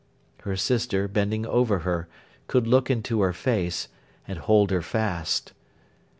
Her sister, bending over her, could look into her face, and hold her fast.